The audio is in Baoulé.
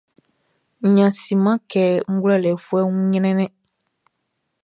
Nnɛnʼn siman kɛ ngwlɛlɛfuɛʼn wun ɲrɛnnɛn.